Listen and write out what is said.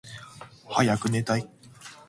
はやくねたい。